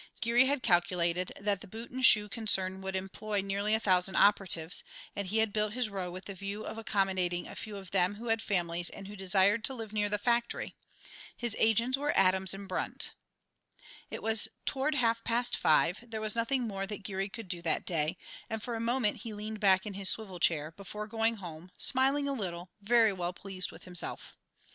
Geary had calculated that the boot and shoe concern would employ nearly a thousand operatives, and he had built his row with the view of accommodating a few of them who had families and who desired to live near the factory. His agents were Adams & Brunt. It was toward half past five, there was nothing more that Geary could do that day, and for a moment he leaned back in his swivel chair, before going home, smiling a little, very well pleased with himself.